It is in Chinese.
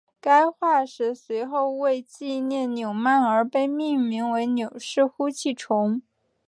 该化石随后为纪念纽曼而被命名为纽氏呼气虫。